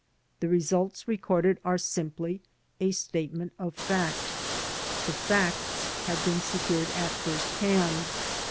The results recorded are simply a statement of fact. The facts have been secured at first hand.